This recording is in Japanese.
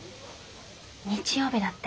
日曜日だって。